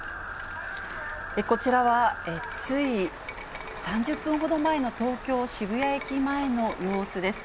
こちらは、つい３０分ほど前の東京・渋谷駅前の様子です。